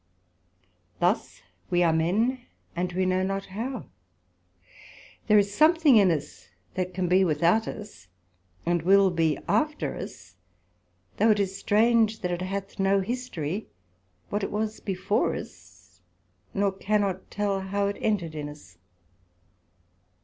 Thus we are men, and we know not how; there is something in us that can be without us, and will be after us, though it is strange that it hath no history, what it was before us, nor cannot tell how it entred in us.